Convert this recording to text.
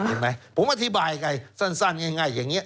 เห็นไหมผมอธิบายกันสั้นง่ายอย่างนี้